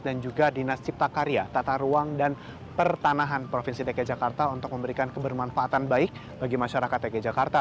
dan juga dinas cipta karya tata ruang dan pertanahan provinsi dki jakarta untuk memberikan kebermanfaatan baik bagi masyarakat dki jakarta